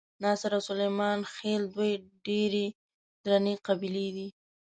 ناصر او سلیمان خېل دوې ډېرې درنې قبیلې دي.